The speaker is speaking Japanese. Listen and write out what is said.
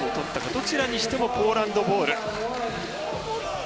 どちらにしてもポーランドボール。